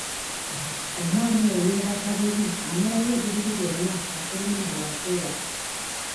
Omwana oyo yeebaka bubi amalayo obuliri bwonna nga tolina na wa kwebaka.